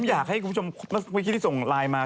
ผมอยากให้คุณผู้ชมคุยกิจที่ส่งไลน์มา